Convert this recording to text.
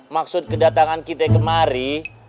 maksud kedatangan kita kemari